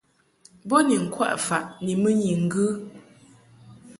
Bo ni ŋkwaʼ faʼ ni mɨnyi ŋgɨ.